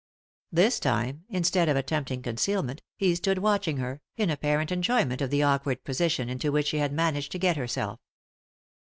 This time, instead of attempting concealment, he stood watching her, in apparent enjoyment of the awkward position into which she had managed to get herself.